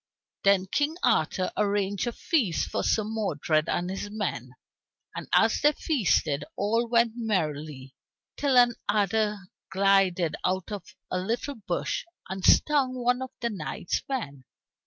Then King Arthur arranged a feast for Sir Modred and his men. And as they feasted all went merrily till an adder glided out of a little bush and stung one of the knight's men.